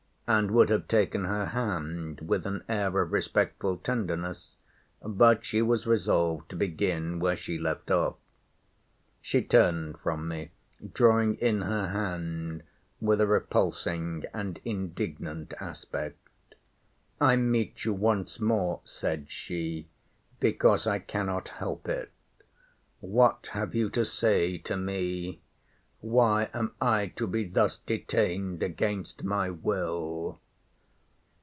And would have taken her hand, with an air of respectful tenderness; but she was resolved to begin where she left off. She turned from me, drawing in her hand, with a repulsing and indignant aspect—I meet you once more, said she, because I cannot help it. What have you to say to me? Why am I to be thus detained against my will?